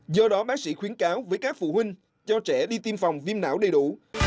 do đó bác sĩ khuyến cáo với các phụ huynh cho trẻ đi tiêm phòng viêm não đầy đủ